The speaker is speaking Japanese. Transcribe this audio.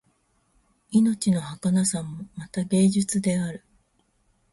命のはかなさもまた芸術である